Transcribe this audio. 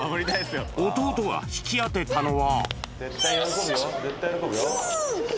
弟が引き当てたのは。